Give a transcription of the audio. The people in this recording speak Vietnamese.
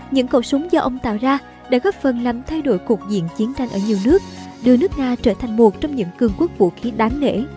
những cầu súng do ông tạo ra đã góp phần làm thay đổi cuộc diện chiến tranh ở nhiều nước đưa nước nga trở thành một trong những cường quốc vũ khí đáng nể